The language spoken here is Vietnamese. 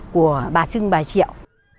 của bà trưng bà triệu